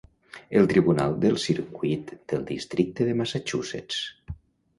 El Tribunal de Circuit del districte de Massachusetts.